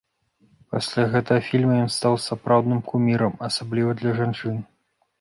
Пасля гэтага фільма ён стаў сапраўдным кумірам, асабліва для жанчын.